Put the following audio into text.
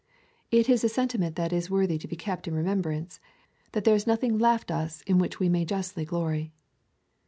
It is a sentiment that is worthy to be kept in remembrance — that there is nothing left us in which we may justly glory.